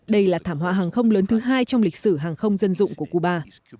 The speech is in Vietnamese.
đây là thảm họa hàng không lớn thứ hai trong lịch sử hàng không dân dụng của cuba